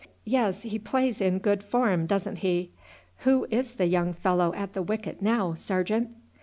"Yes, he plays in good form, doesn't he? Who is the young fellow at the wicket now, sergeant?"